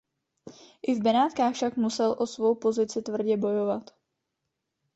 I v Benátkách však musel o svou pozici tvrdě bojovat.